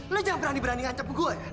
lo jangan berani berani ngancep gue ya